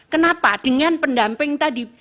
kenapa dengan pendamping tadi